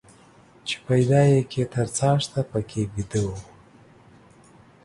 چې پيدا يې کى تر څاښته پکښي بيده وو.